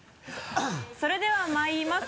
それではまいります